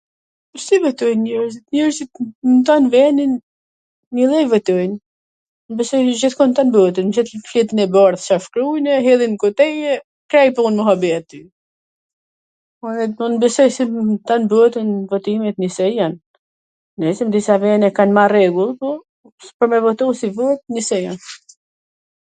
Si votojn njerzit? Njerzit n tan venin njwlloj votojn, besoj si n tan botwn, shef fletwn e bardh Ca shkrujn, e hedhin n kutije, kaq pun muhabeti. Po un besoj se nw tan botwn votimet njwsoj jan. Nejse, n disa vene kan ma rregull, po pwr me votu, si vot, njwsoj asht.